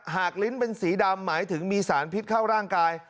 ลิ้นเป็นสีดำหมายถึงมีสารพิษเข้าร่างกาย